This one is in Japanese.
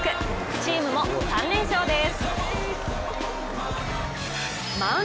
チームも３連勝です。